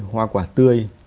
hoa quả tươi